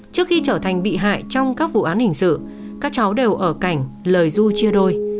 trước khi trở thành bị hại trong các vụ án hình sự các cháu đều ở cảnh lời du chia đôi